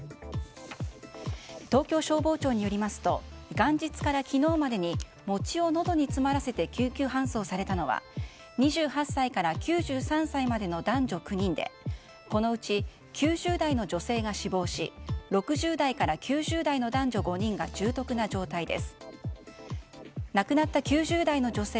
東京消防庁によりますと元日から昨日までに餅をのどに詰まらせて救急搬送されたのは２８歳から９３歳までの男女９人でこのうち９０代の女性が死亡し６０代から９０代の男女５人が重篤な状態です。